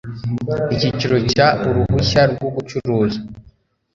icyiciro cya uruhushya rwo gucuruza